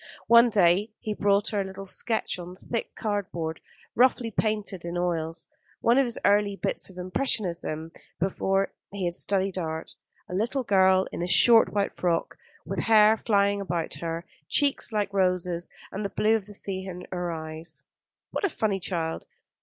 One day he brought her a little sketch on thick cardboard, roughly painted in oils, one of his early bits of impressionism before he had studied art, a little girl in a short white frock, with hair flying about her head, cheeks like roses, and the blue of the sea in her eyes. "What a funny child.